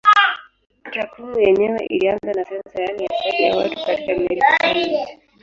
Takwimu yenyewe ilianza na sensa yaani hesabu ya watu katika milki au mji.